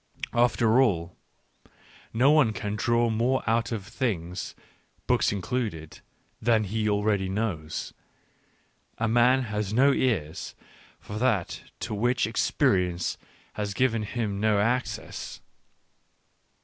After all, no one can draw more out of things, books included, than he already knows. A man has no ears for that to which experience has given him no access.